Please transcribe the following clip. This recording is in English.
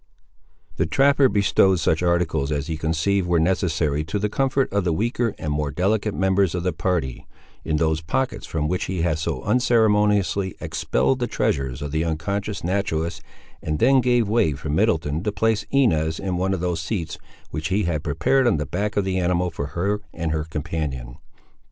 The trapper bestowed such articles as he conceived were necessary to the comfort of the weaker and more delicate members of the party, in those pockets from which he had so unceremoniously expelled the treasures of the unconscious naturalist, and then gave way for Middleton to place Inez in one of those seats which he had prepared on the back of the animal for her and her companion.